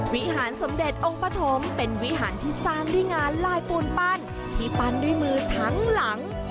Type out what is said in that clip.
วิหารสมเด็จองค์ปฐมเป็นวิหารที่สร้างด้วยงานลายปูนปั้นที่ปั้นด้วยมือทั้งหลัง